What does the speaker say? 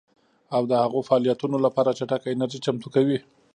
او د هغو فعالیتونو لپاره چټکه انرژي چمتو کوي